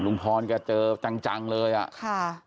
ลุงพรก็เจอจังเลยอ่ะค่ะ